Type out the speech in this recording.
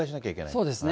そうですね。